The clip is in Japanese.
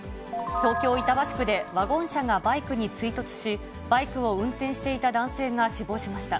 東京・板橋区で、ワゴン車がバイクに追突し、バイクを運転していた男性が死亡しました。